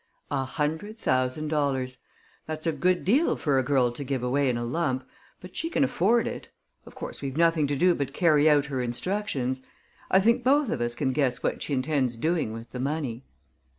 "A hundred thousand dollars! That's a good deal for a girl to give away in a lump, but she can afford it. Of course, we've nothing to do but carry out her instructions. I think both of us can guess what she intends doing with the money."